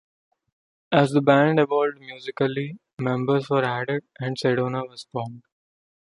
As the band evolved musically, members were added, and Sedona was formed.